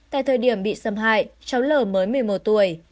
tại thời điểm bị xâm hại cháu lở mới một mươi một tuổi